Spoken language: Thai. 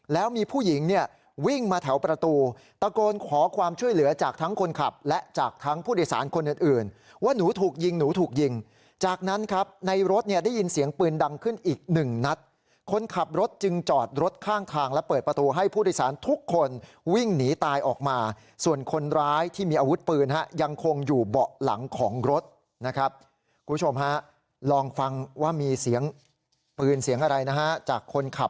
และจากทั้งผู้โดยสารคนอื่นว่าหนูถูกยิงหนูถูกยิงจากนั้นครับในรถเนี่ยได้ยินเสียงปืนดังขึ้นอีก๑นัดคนขับรถจึงจอดรถข้างทางและเปิดประตูให้ผู้โดยสารทุกคนวิ่งหนีตายออกมาส่วนคนร้ายที่มีอาวุธปืนยังคงอยู่เบาะหลังของรถนะครับคุณผู้ชมฮะลองฟังว่ามีเสียงปืนเสียงอะไรนะฮะจากคนขับ